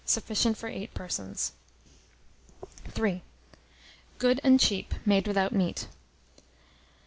Sufficient for 8 persons. III. (Good and Cheap, made without Meat.)